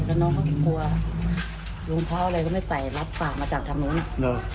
แล้วน้องเหมือนกลัวลุงเบาเลยก็ไม่ใส่รับตากมาจากทางณุนะ